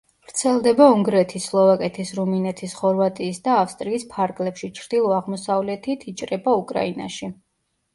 ვრცელდება უნგრეთის, სლოვაკეთის, რუმინეთის, ხორვატიის და ავსტრიის ფარგლებში; ჩრდილო-აღმოსავლეთით იჭრება უკრაინაში.